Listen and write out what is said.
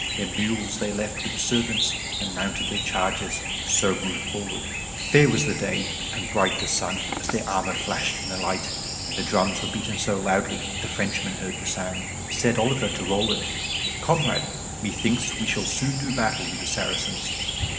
Their mules they left with the servants, and, mounting their chargers, so moved forwards. Fair was the day and bright the sun, as their armor flashed in the light, and the drums were beaten so loudly that the Frenchmen heard the sound. Said Oliver to Roland, "Comrade, methinks we shall soon do battle with the Saracens."